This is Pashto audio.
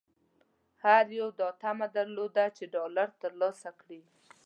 هر یوه دا طمعه درلوده چې ډالر ترلاسه کړي.